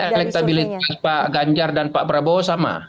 elektabilitas pak ganjar dan pak prabowo sama